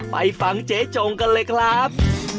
ไปฟังเจ๊จงกันเลยครับ